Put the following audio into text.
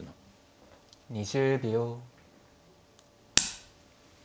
２０秒。